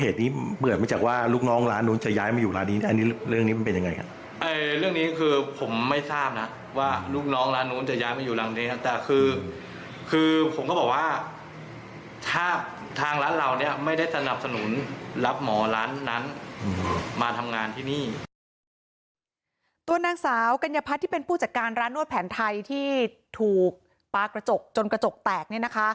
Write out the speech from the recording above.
ตัวนางสาวกัญญพัฒน์ที่เป็นผู้จัดการร้านนวดแผนไทยที่ถูกปลากระจกจนกระจกแตกเนี่ยนะคะ